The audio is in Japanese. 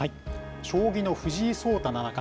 将棋の藤井聡太七冠。